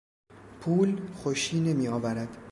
پول، خوشی نمیآورد.